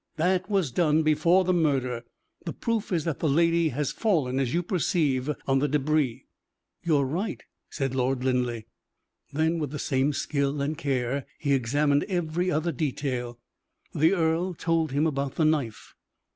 That was done before the murder; the proof is that the lady has fallen, as you perceive, on the debris." "You are right," said Lord Linleigh. Then, with the same skill and care, he examined every other detail. The earl told him about the knife.